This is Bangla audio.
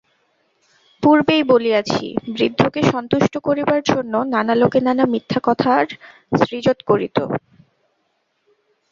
পূর্বেই বলিয়াছি, বৃদ্ধকে সন্তুষ্ট করিবার জন্য নানা লোকে নানা মিথ্যা কথার সৃজন করিত।